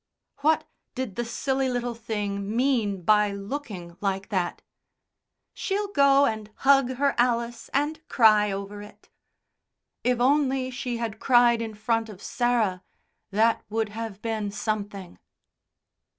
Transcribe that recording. What did the silly little thing mean by looking like that? "She'll go and hug her Alice and cry over it." If only she had cried in front of Sarah that would have been something.